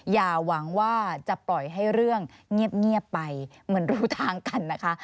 อย่าหวังว่าจะปล่อยให้เรื่องเงียบไปเหมือนรู้ทางกันนะคะ